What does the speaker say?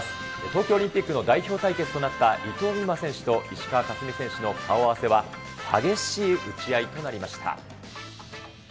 東京オリンピックの代表対決となった伊藤美誠選手と石川佳純選手の顔合わせは、激しい打ち合いとなりました。